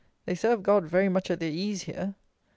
they serve God very much at their ease here!"